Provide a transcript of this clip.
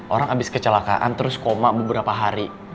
orang abis kecelakaan terus koma beberapa hari